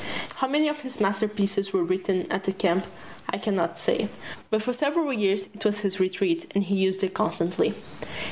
How many of his masterpieces were written at the Camp I can not say, but for several years it was his Retreat and he used it constantly.